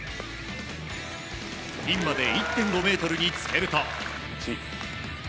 ピンまで１．５ｍにつけると。